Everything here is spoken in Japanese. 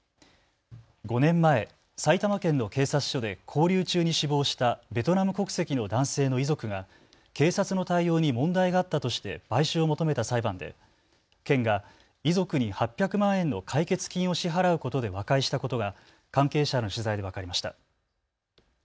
５年前、埼玉県の警察署で勾留中に死亡したベトナム国籍の男性の遺族が警察の対応に問題があったとして賠償を求めた裁判で県が遺族に８００万円の解決金を支払うことで和解したことが関係者への取材で分かりました。